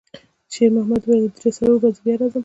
شېرمحمد وویل: «درې، څلور ورځې بیا راځم.»